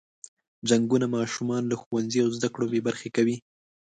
جنګونه ماشومان له ښوونځي او زده کړو بې برخې کوي.